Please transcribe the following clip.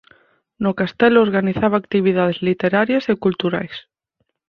No castelo organizaba actividades literarias e culturais.